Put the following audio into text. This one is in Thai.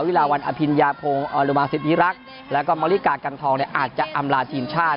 วิฬาวัลอภิญญาโพงอลัมซิภิรักษ์และก็อมริกากันทองอาจจะอำลาดทีมชาติ